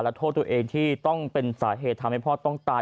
โทษตัวเองที่ต้องเป็นสาเหตุทำให้พ่อต้องตาย